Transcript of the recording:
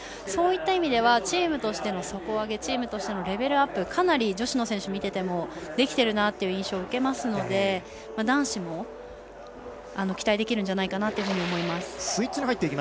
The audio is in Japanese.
そういった意味ではチームとしての底上げチームとしてのレベルアップかなり、女子の選手を見ていてもできているなと思いますので男子も期待できるんじゃないかなと思います。